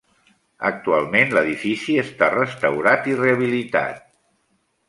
Actualment l'edifici està restaurat i rehabilitat.